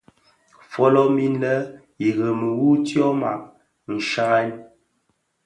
Fölömin innë irèmi wu tyoma nshiaghèn.